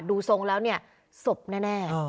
ดูทรงแล้วเนี่ยศพแน่